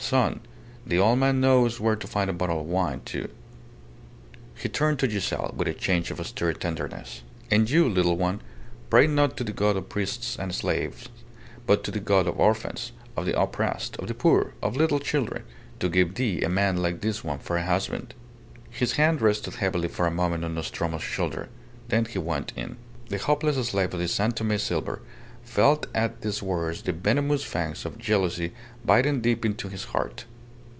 Son! The old man knows where to find a bottle of wine, too." He turned to Giselle, with a change to austere tenderness. "And you, little one, pray not to the God of priests and slaves, but to the God of orphans, of the oppressed, of the poor, of little children, to give thee a man like this one for a husband." His hand rested heavily for a moment on Nostromo's shoulder; then he went in. The hopeless slave of the San Tome silver felt at these words the venomous fangs of jealousy biting deep into his heart.